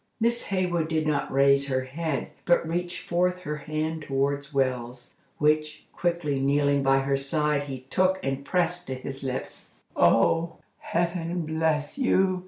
Miss Hayward did not raise her head, but reached forth her hand toward Wells, which, quickly kneeling by her side, he took, and pressed to his lips. "Oh, heaven bless you!"